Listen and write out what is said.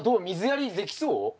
水やりできそう？